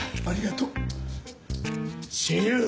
ありがとう。